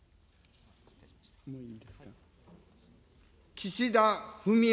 岸田文雄